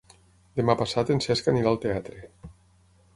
Demà passat en Cesc anirà al teatre.